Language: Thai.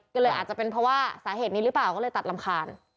ก็เลยอาจจะเป็นเพราะว่าสาเหตุนี้หรือเปล่าก็เลยตัดรำคาญ